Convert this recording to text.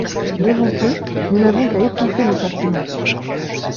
Devant eux, nous n'avons qu'à étouffer nos sentiments!